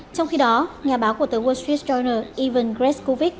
trong khi đó nhà báo của tờ wall street journal ivan graskovic